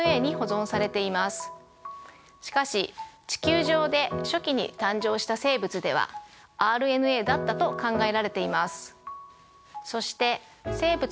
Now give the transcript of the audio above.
しかし地球上で初期に誕生した生物ではＲＮＡだったと考えられています。